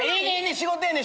仕事やねん！